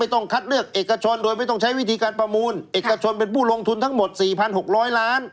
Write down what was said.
ต้องคัดเลือกเอกชนโดยไม่ต้องใช้วิธีการประมูลเอกชนเป็นผู้ลงทุนทั้งหมด๔๖๐๐ล้าน